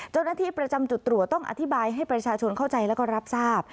เจ้าหน้าที่ประจำจุดตรวจต้องอธิบายให้ประชาชนเข้าใจแล้วก็รับทราบ